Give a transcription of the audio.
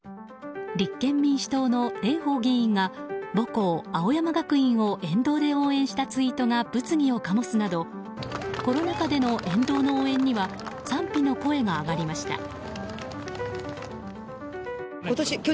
立憲民主党の蓮舫議員が母校・青山学院を沿道で応援したツイートが物議を醸すなどコロナ禍での沿道の応援には賛否の声が上がりました。